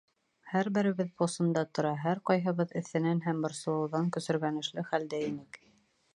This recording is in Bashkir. Һәр беребеҙ посында тора, һәр ҡайһыбыҙ эҫенән һәм борсолоуҙан көсөргәнешле хәлдә инек.